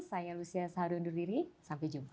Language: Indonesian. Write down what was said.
saya lucia saharundur diri sampai jumpa